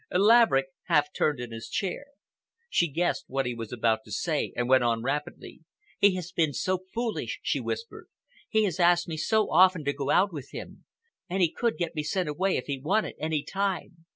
Laverick half turned in his chair. She guessed what he was about to say, and went on rapidly. "He has been so foolish," she whispered. "He has asked me so often to go out with him. And he could get me sent away, if he wanted, any time.